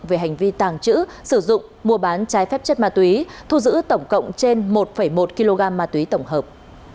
về hành vi tàng trữ sử dụng mua bán trái phép chất ma túy thu giữ tổng cộng trên một một kg ma túy tổng hợp